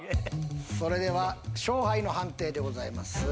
それでは勝敗の判定でございます。